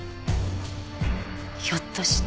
ひょっとして。